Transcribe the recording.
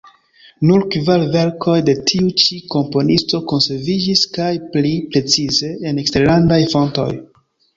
Nur kvar verkoj de tiu ĉi komponisto konserviĝis kaj, pli precize, en eksterlandaj fontoj.